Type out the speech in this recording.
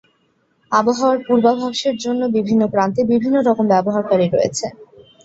আবহাওয়ার পূর্বাভাসের জন্য বিভিন্ন প্রান্তে বিভিন্ন রকম ব্যবহারকারী রয়েছে।